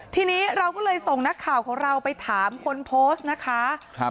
ทีนี้เราก็เลยส่งนักข่าวของเราไปถามคนโพสต์นะคะ